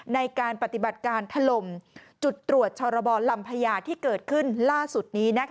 ในการปฏิบัติการถล่มจุดตรวจชรบรลำพญาที่เกิดขึ้นล่าสุดนี้